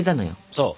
そう。